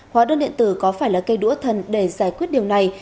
hóa đơn điện tử có phải là cây đũa thần để giải quyết điều này